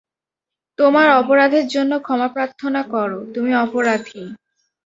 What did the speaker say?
তোমার অপরাধের জন্যে ক্ষমা প্রার্থনা কর, তুমি অপরাধী।